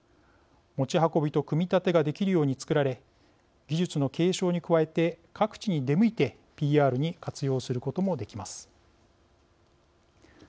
持ち運びと組み立てができるように作られ技術の継承に加えて各地に出向いてＰＲに活用することもできます。